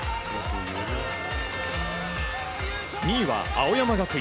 ２位は青山学院。